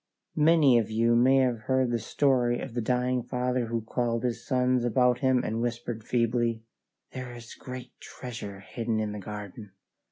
Many of you may have heard the story of the dying father who called his sons about him and whispered feebly, "There is great treasure hidden in the garden."